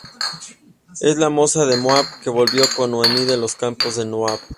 Es la moza de Moab, que volvió con Noemi de los campos de Moab.